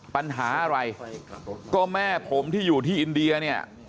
ปัญหาอะไรก็แม่ผมที่อยู่ที่อินเดียเนี่ย